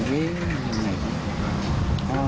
เว้ยมันยังไงก็